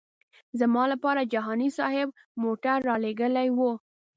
زما لپاره جهاني صاحب موټر رالېږلی و.